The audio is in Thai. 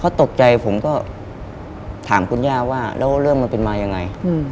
เขาตกใจผมก็ถามคุณย่าว่าแล้วเรื่องมันเป็นมายังไง